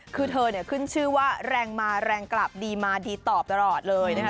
คือเธอเนี่ยขึ้นชื่อว่าแรงมาแรงกลับดีมาดีตอบตลอดเลยนะคะ